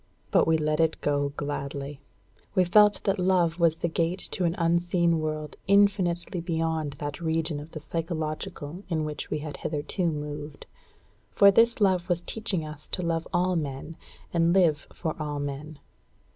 But we let it go gladly. We felt that love was the gate to an unseen world infinitely beyond that region of the psychological in which we had hitherto moved; for this love was teaching us to love all men, and live for all men.